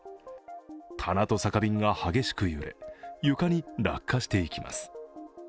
棚と酒瓶が激しく揺れ、床に落下していきます。